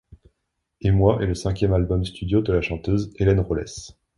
Émois est le cinquième album studio de la chanteuse Hélène Rollès.